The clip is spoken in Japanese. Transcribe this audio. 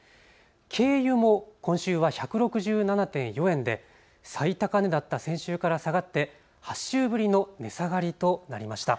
軽油も今週は１６７．４円で最高値だった先週から下がって８週ぶりの値下がりとなりました。